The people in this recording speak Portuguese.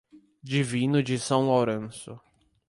Divino de São Lourenço